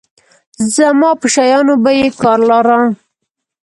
زما په شيانو به يې کار لاره.